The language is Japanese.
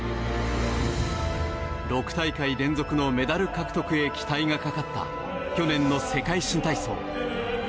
６大会連続のメダル獲得へ期待がかかった去年の世界新体操。